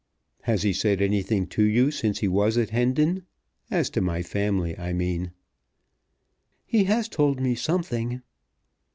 "Has he said anything to you since he was at Hendon; as to my family, I mean?" "He has told me something."